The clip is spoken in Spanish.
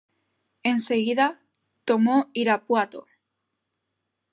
En seguida, tomó Irapuato.